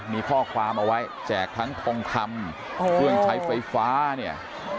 มีข้อความเอาไว้แจกทั้งทองคำเครื่องใช้ไฟฟ้าเนี่ย